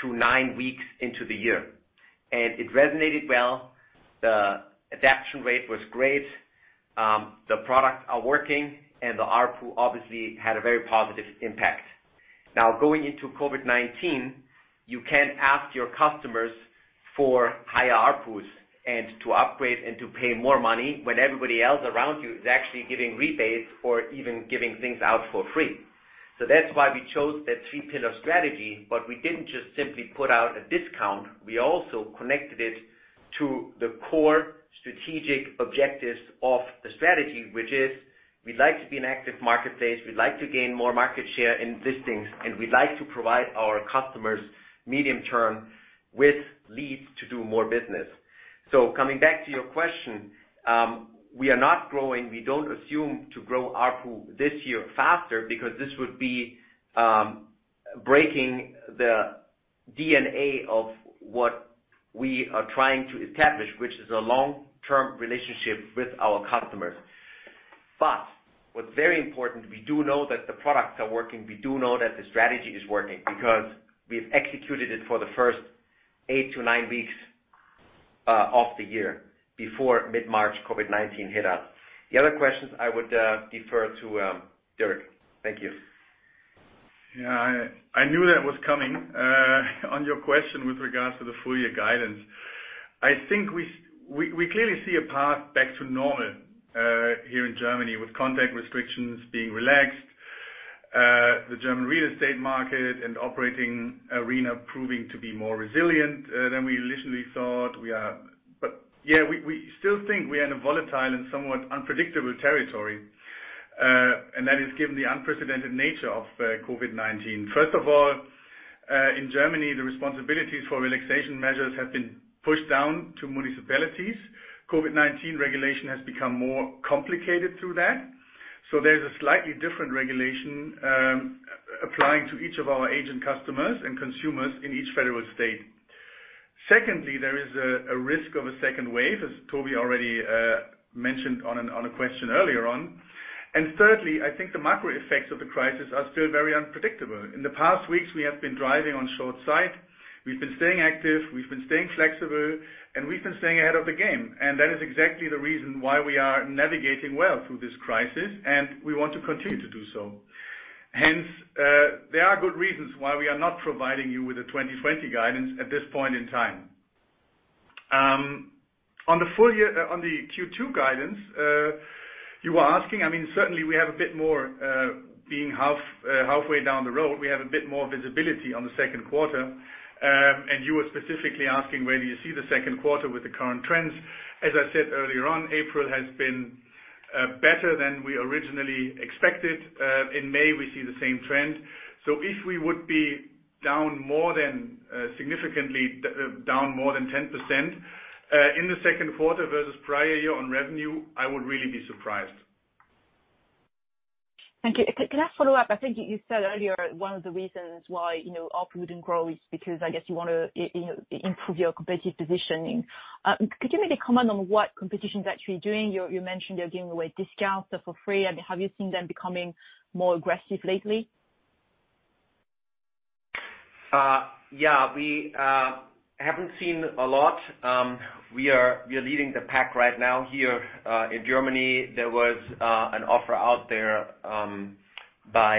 to nine weeks into the year. And it resonated well. The adoption rate was great. The products are working, and the ARPU obviously had a very positive impact. Now, going into COVID-19, you can't ask your customers for higher ARPUs and to upgrade and to pay more money when everybody else around you is actually giving rebates or even giving things out for free. So that's why we chose the three-pillar strategy, but we didn't just simply put out a discount. We also connected it to the core strategic objectives of the strategy, which is we'd like to be an active marketplace. We'd like to gain more market share in listings, and we'd like to provide our customers medium-term with leads to do more business. So coming back to your question, we are not growing. We don't assume to grow ARPU this year faster because this would be breaking the DNA of what we are trying to establish, which is a long-term relationship with our customers. But what's very important, we do know that the products are working. We do know that the strategy is working because we've executed it for the first eight to nine weeks of the year before mid-March, COVID-19 hit us. The other questions I would defer to Dirk. Thank you. Yeah, I knew that was coming. On your question with regards to the full year guidance, I think we clearly see a path back to normal here in Germany with contact restrictions being relaxed, the German real estate market and operating arena proving to be more resilient than we initially thought. Yeah, we still think we are in a volatile and somewhat unpredictable territory, and that is given the unprecedented nature of COVID-19. First of all, in Germany, the responsibilities for relaxation measures have been pushed down to municipalities. COVID-19 regulation has become more complicated through that. So there's a slightly different regulation applying to each of our agent customers and consumers in each federal state. Secondly, there is a risk of a second wave, as Tobi already mentioned on a question earlier on. And thirdly, I think the macro effects of the crisis are still very unpredictable. In the past weeks, we have been driving on short sight. We've been staying active. We've been staying flexible, and we've been staying ahead of the game. And that is exactly the reason why we are navigating well through this crisis, and we want to continue to do so. Hence, there are good reasons why we are not providing you with a 2020 guidance at this point in time. On the Q2 guidance, you were asking, I mean, certainly we have a bit more, being halfway down the road. We have a bit more visibility on the second quarter. And you were specifically asking, where do you see the second quarter with the current trends? As I said earlier on, April has been better than we originally expected. In May, we see the same trend. So if we would be significantly down more than 10% in the second quarter versus prior year on revenue, I would really be surprised. Thank you. Can I follow up? I think you said earlier one of the reasons why offering wouldn't grow is because I guess you want to improve your competitive positioning. Could you make a comment on what competition is actually doing? You mentioned they're giving away discounts for free. I mean, have you seen them becoming more aggressive lately? Yeah, we haven't seen a lot. We are leading the pack right now here in Germany. There was an offer out there by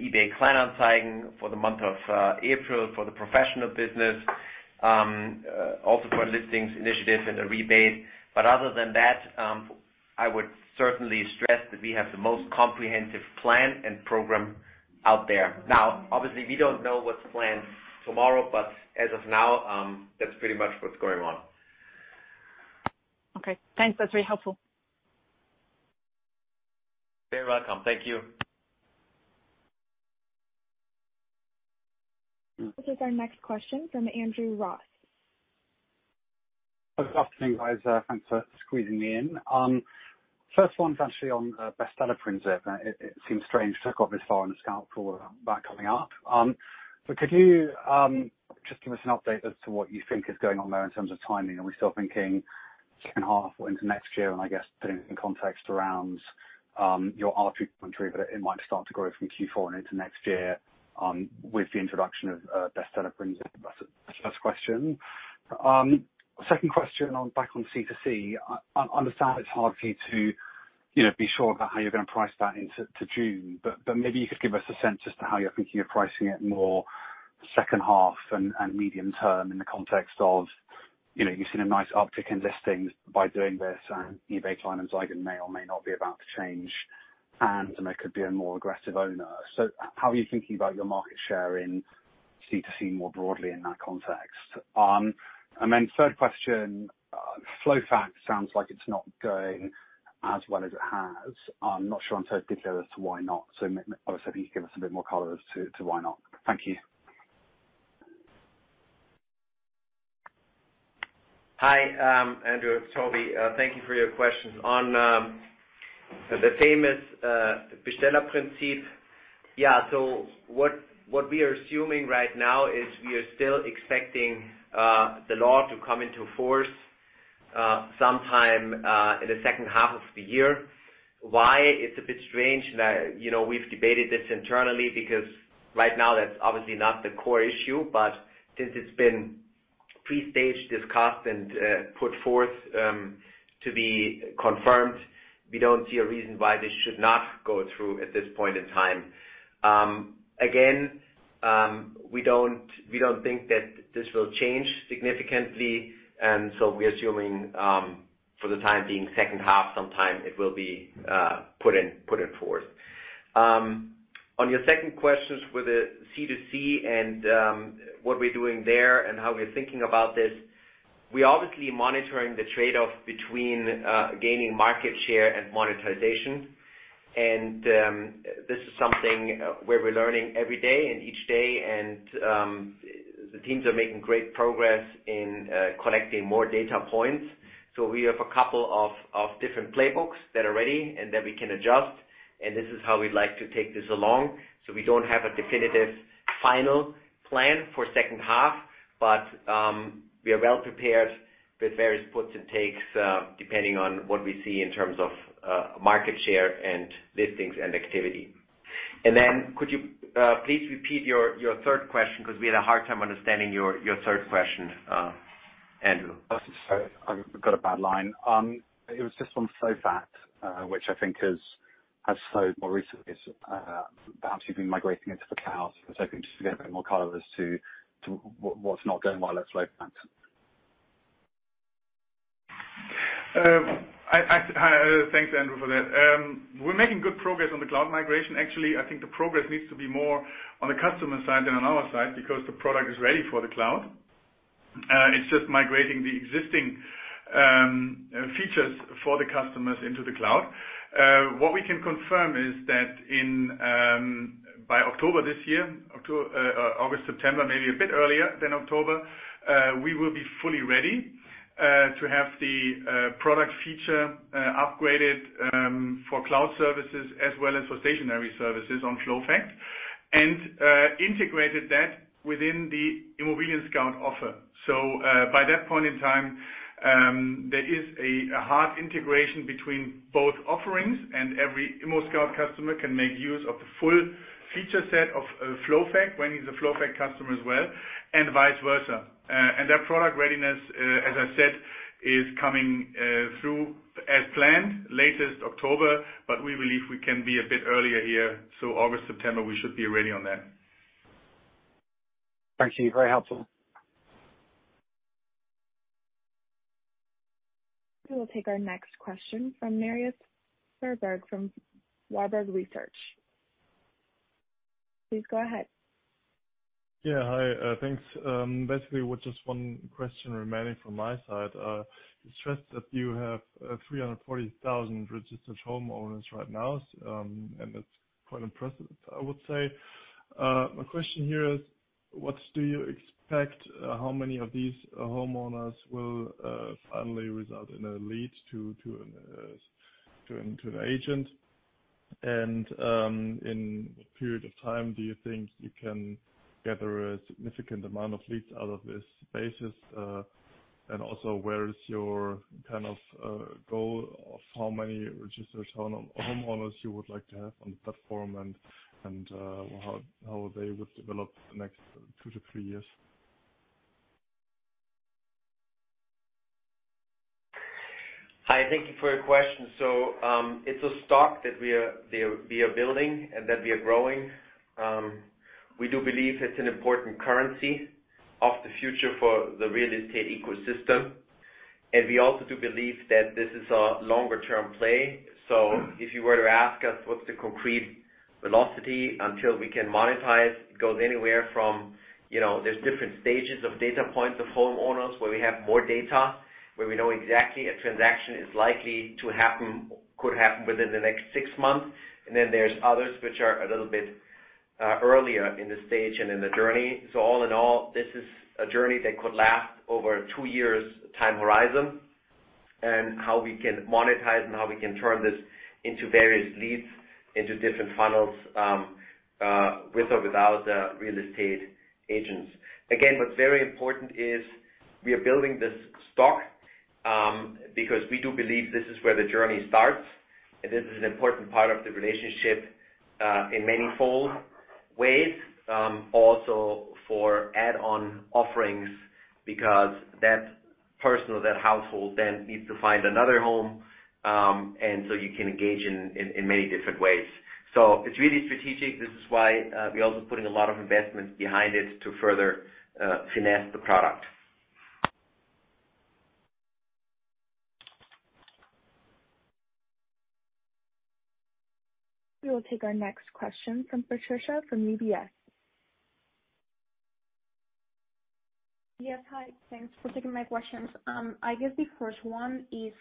eBay Kleinanzeigen for the month of April for the professional business, also for listings initiative and a rebate. But other than that, I would certainly stress that we have the most comprehensive plan and program out there. Now, obviously, we don't know what's planned tomorrow, but as of now, that's pretty much what's going on. Okay. Thanks. That's very helpful. You're welcome. Thank you. This is our next question from Andrew Ross. Good afternoon, guys. Thanks for squeezing me in. First one is actually on Bestellerprinzip. It seems strange to have got this far in the call without that coming up. But could you just give us an update as to what you think is going on there in terms of timing? Are we still thinking second half or into next year? And I guess putting in context around your ARPU growth, but it might start to grow from Q4 and into next year with the introduction of Bestellerprinzip. That's the first question. Second question, back on C2C. I understand it's hard for you to be sure about how you're going to price that into June, but maybe you could give us a sense as to how you're thinking of pricing it more second half and medium term in the context of you've seen a nice uptick in listings by doing this, and eBay Kleinanzeigen may or may not be about to change, and there could be a more aggressive owner. So how are you thinking about your market share in C2C more broadly in that context? And then third question, FlowFact sounds like it's not going as well as it has. I'm not sure I'm so particular as to why not. So obviously, if you could give us a bit more colors as to why not. Thank you. Hi, Andrew, Tobi. Thank you for your questions. On the famous Bestellerprinzip, yeah, so what we are assuming right now is we are still expecting the law to come into force sometime in the second half of the year. Why? It's a bit strange. We've debated this internally because right now, that's obviously not the core issue, but since it's been pre-staged discussed and put forth to be confirmed, we don't see a reason why this should not go through at this point in time. Again, we don't think that this will change significantly, and so we're assuming for the time being, second half sometime it will be put in force. On your second question with the C2C and what we're doing there and how we're thinking about this, we're obviously monitoring the trade-off between gaining market share and monetization. This is something where we're learning every day and each day, and the teams are making great progress in collecting more data points. So we have a couple of different playbooks that are ready and that we can adjust, and this is how we'd like to take this along. So we don't have a definitive final plan for second half, but we are well prepared with various puts and takes depending on what we see in terms of market share and listings and activity. And then could you please repeat your third question because we had a hard time understanding your third question, Andrew? Sorry, I've got a bad line. It was just on FlowFact, which I think has slowed more recently. Perhaps you've been migrating into the cloud. So I think just to get a bit more color on what's not going well at FlowFact. Thanks, Andrew, for that. We're making good progress on the cloud migration. Actually, I think the progress needs to be more on the customer side than on our side because the product is ready for the cloud. It's just migrating the existing features for the customers into the cloud. What we can confirm is that by October this year, August, September, maybe a bit earlier than October, we will be fully ready to have the product feature upgraded for cloud services as well as for stationary services on FlowFact and integrated that within the ImmoScout offer. So by that point in time, there is a hard integration between both offerings, and every ImmoScout customer can make use of the full feature set of FlowFact when he's a FlowFact customer as well, and vice versa. And that product readiness, as I said, is coming through as planned, latest October, but we believe we can be a bit earlier here. So August, September, we should be ready on that. Thank you. Very helpful. We will take our next question from Marius Fuhrberg from Warburg Research. Please go ahead. Yeah. Hi. Thanks. Basically, we're just one question remaining from my side. It's stressed that you have 340,000 registered homeowners right now, and it's quite impressive, I would say. My question here is, what do you expect? How many of these homeowners will finally result in a lead to an agent? And in what period of time do you think you can gather a significant amount of leads out of this basis? And also, where is your kind of goal of how many registered homeowners you would like to have on the platform and how they would develop the next two to three years? Hi. Thank you for your question. So it's a stock that we are building and that we are growing. We do believe it's an important currency of the future for the real estate ecosystem. And we also do believe that this is a longer-term play. So if you were to ask us what's the concrete velocity until we can monetize, it goes anywhere from there's different stages of data points of homeowners where we have more data, where we know exactly a transaction is likely to happen, could happen within the next six months. And then there's others which are a little bit earlier in the stage and in the journey. So all in all, this is a journey that could last over a two-year time horizon and how we can monetize and how we can turn this into various leads into different funnels with or without real estate agents. Again, what's very important is we are building this stock because we do believe this is where the journey starts, and this is an important part of the relationship in many fold ways, also for add-on offerings because that person or that household then needs to find another home, and so you can engage in many different ways. So it's really strategic. This is why we're also putting a lot of investments behind it to further finesse the product. We will take our next question from Patricia from UBS. Yes. Hi. Thanks for taking my questions. I guess the first one is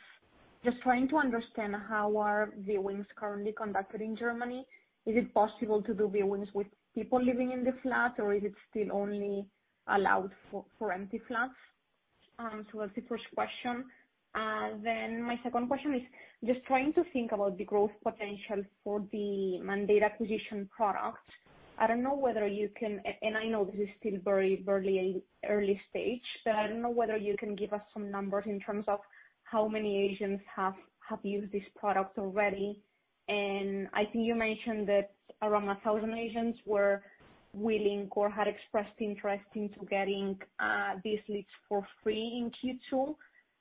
just trying to understand how are viewings currently conducted in Germany? Is it possible to do viewings with people living in the flats, or is it still only allowed for empty flats? So that's the first question. Then my second question is just trying to think about the growth potential for the mandate acquisition product. I don't know whether you can, and I know this is still very early stage, but I don't know whether you can give us some numbers in terms of how many agents have used this product already. And I think you mentioned that around 1,000 agents were willing or had expressed interest into getting these leads for free in Q2.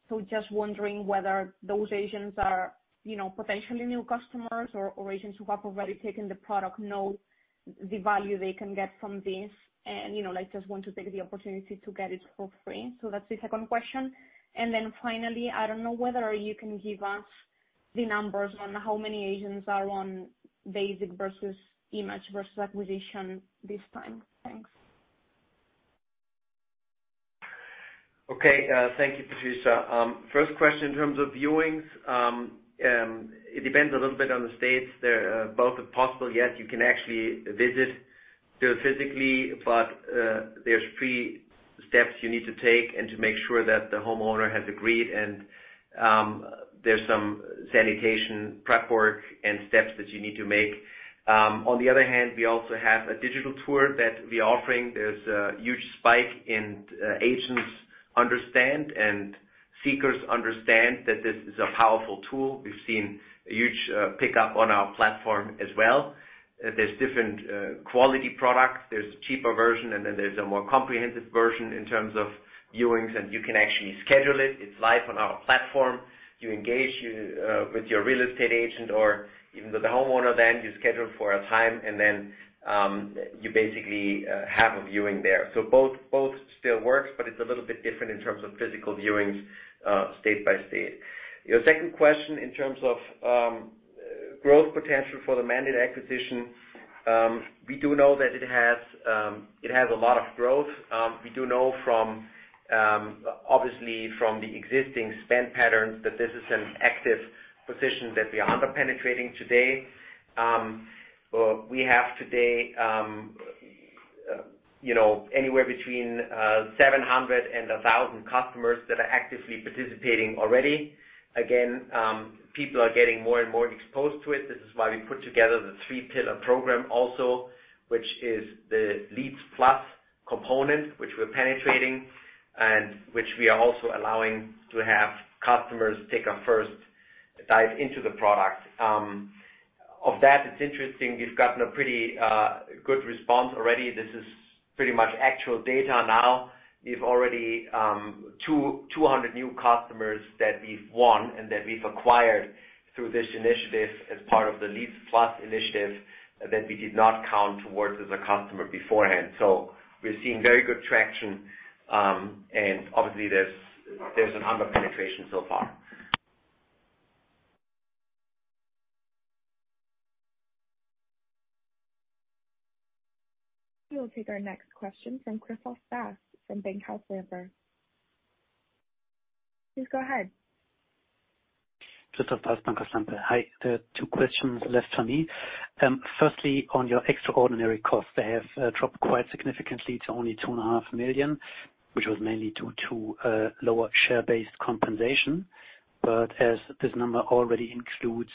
So, just wondering whether those agents are potentially new customers or agents who have already taken the product know the value they can get from this and just want to take the opportunity to get it for free. So that's the second question. And then finally, I don't know whether you can give us the numbers on how many agents are on basic versus image versus acquisition this time. Thanks. Okay. Thank you, Patricia. First question in terms of viewings. It depends a little bit on the states. Both are possible. Yes, you can actually visit physically, but there's pre-steps you need to take and to make sure that the homeowner has agreed, and there's some sanitation prep work and steps that you need to make. On the other hand, we also have a digital tour that we are offering. There's a huge spike in agents' understanding and seekers' understanding that this is a powerful tool. We've seen a huge pickup on our platform as well. There's different quality products. There's a cheaper version, and then there's a more comprehensive version in terms of viewings, and you can actually schedule it. It's live on our platform. You engage with your real estate agent or even with the homeowner, then you schedule for a time, and then you basically have a viewing there. So both still work, but it's a little bit different in terms of physical viewings state by state. Your second question in terms of growth potential for the mandate acquisition, we do know that it has a lot of growth. We do know from, obviously, from the existing spend patterns that this is an active position that we are under penetrating today. We have today anywhere between 700 and 1,000 customers that are actively participating already. Again, people are getting more and more exposed to it. This is why we put together the three-pillar program also, which is the Leads Plus component, which we're penetrating and which we are also allowing to have customers take a first dive into the product. Of that, it's interesting. We've gotten a pretty good response already. This is pretty much actual data now. We've already 200 new customers that we've won and that we've acquired through this initiative as part of the Leads Plus initiative that we did not count towards as a customer beforehand. So we're seeing very good traction, and obviously, there's an under penetration so far. We will take our next question from Christoph Bast from Bankhaus Lampe. Please go ahead. Christoph Bast, Bankhaus Lampe. Hi. There are two questions left for me. Firstly, on your extraordinary costs, they have dropped quite significantly to only 2.5 million, which was mainly due to lower share-based compensation. But as this number already includes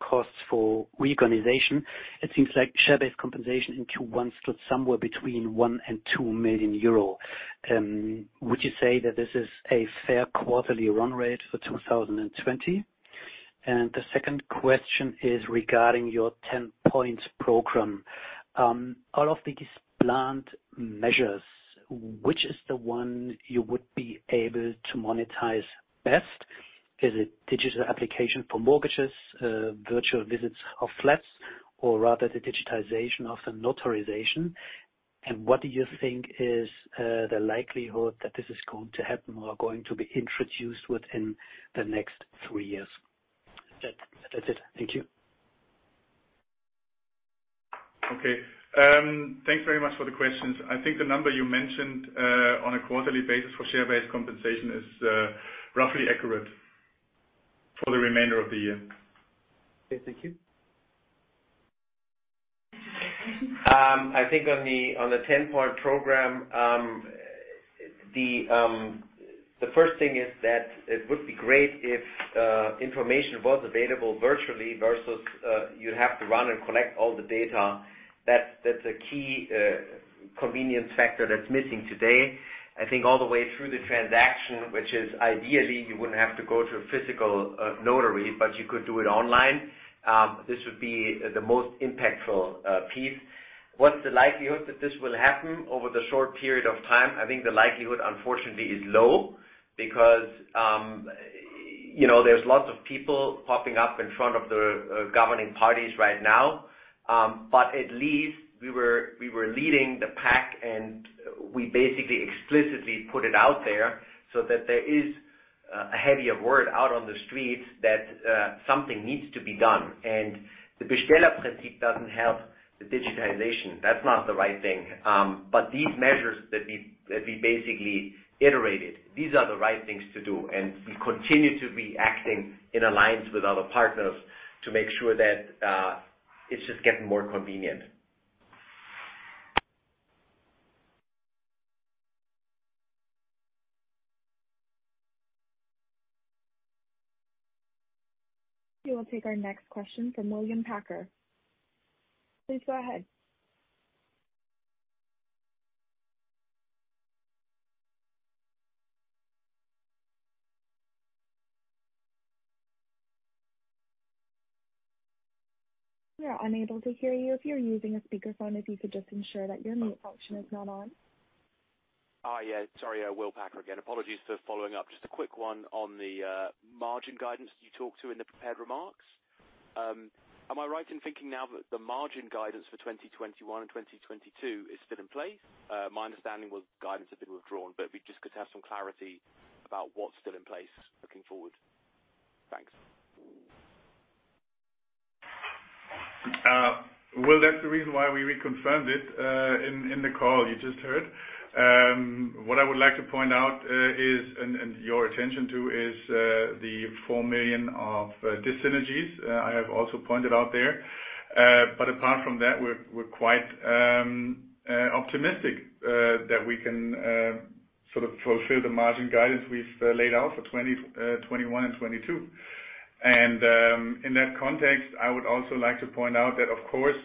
costs for reorganization, it seems like share-based compensation in Q1 stood somewhere between 1 million and 2 million euro. Would you say that this is a fair quarterly run rate for 2020? And the second question is regarding your 10-point program. Out of these planned measures, which is the one you would be able to monetize best? Is it digital application for mortgages, virtual visits of flats, or rather the digitization of the notarization? And what do you think is the likelihood that this is going to happen or going to be introduced within the next three years? That's it. Thank you. Okay. Thanks very much for the questions. I think the number you mentioned on a quarterly basis for share-based compensation is roughly accurate for the remainder of the year. Okay. Thank you. I think on the 10-point program, the first thing is that it would be great if information was available virtually versus you'd have to run and collect all the data. That's a key convenience factor that's missing today. I think all the way through the transaction, which is ideally you wouldn't have to go to a physical notary, but you could do it online. This would be the most impactful piece. What's the likelihood that this will happen over the short period of time? I think the likelihood, unfortunately, is low because there's lots of people popping up in front of the governing parties right now. But at least we were leading the pack, and we basically explicitly put it out there so that there is a heavier word out on the streets that something needs to be done. And the Bestellerprinzip doesn't help the digitization. That's not the right thing. But these measures that we basically iterated, these are the right things to do. And we continue to be acting in alliance with other partners to make sure that it's just getting more convenient. We will take our next question from William Packer. Please go ahead. We are unable to hear you if you're using a speakerphone. If you could just ensure that your mute function is not on. Oh, yeah. Sorry. I'll speak again. Apologies for following up. Just a quick one on the margin guidance you talked about in the prepared remarks. Am I right in thinking now that the margin guidance for 2021 and 2022 is still in place? My understanding was guidance had been withdrawn, but could we just have some clarity about what's still in place looking forward. Thanks. That's the reason why we reconfirmed it in the call you just heard. What I would like to point out, and draw your attention to, is the 4 million of the synergies I have also pointed out there. But apart from that, we're quite optimistic that we can sort of fulfill the margin guidance we've laid out for 2021 and 2022. And in that context, I would also like to point out that, of course,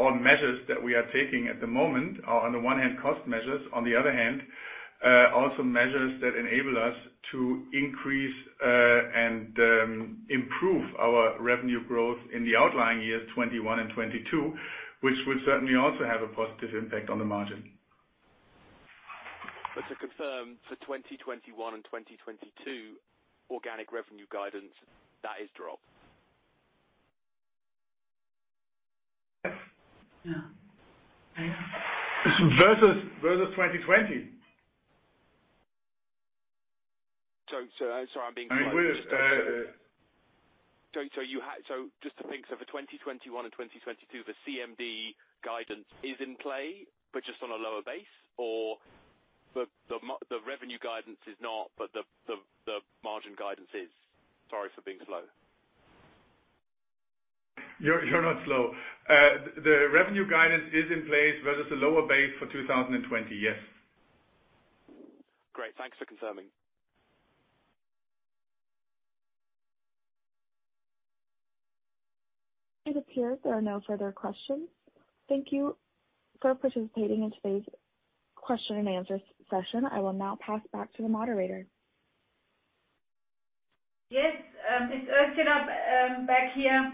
all measures that we are taking at the moment are, on the one hand, cost measures. On the other hand, also measures that enable us to increase and improve our revenue growth in the outlying years 2021 and 2022, which would certainly also have a positive impact on the margin. But to confirm, for 2021 and 2022, organic revenue guidance, that is dropped. Yeah. Versus 2020. Sorry. I'm being quite confused. So just to think, so for 2021 and 2022, the CMD guidance is in play, but just on a lower base, or the revenue guidance is not, but the margin guidance is. Sorry for being slow. You're not slow. The revenue guidance is in place versus the lower base for 2020. Yes. Great. Thanks for confirming. It appears there are no further questions. Thank you for participating in today's question and answer session. I will now pass back to the moderator. Yes. It's Ursula back here.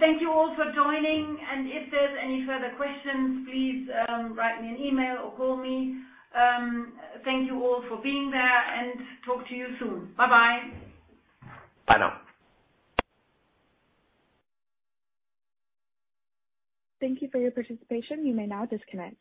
Thank you all for joining. If there's any further questions, please write me an email or call me. Thank you all for being there, and talk to you soon. Bye-bye. Bye now. Thank you for your participation. You may now disconnect.